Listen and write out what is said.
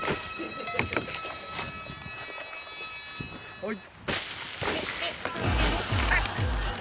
はい。